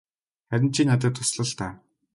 Харин чи надад тусал л даа.